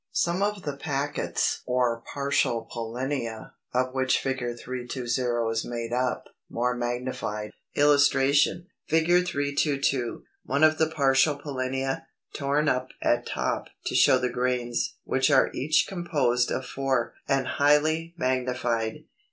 Some of the packets or partial pollinia, of which Fig. 320 is made up, more magnified.] [Illustration: Fig. 322. One of the partial pollinia, torn up at top to show the grains (which are each composed of four), and highly magnified.